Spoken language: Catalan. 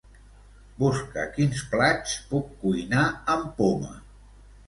Busca quins plats puc cuinar amb poma.